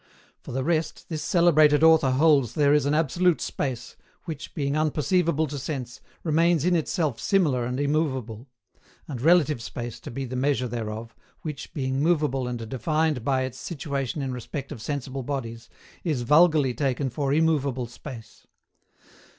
For the rest, this celebrated author holds there is an absolute Space, which, being unperceivable to sense, remains in itself similar and immovable; and relative space to be the measure thereof, which, being movable and defined by its situation in respect of sensible bodies, is vulgarly taken for immovable space.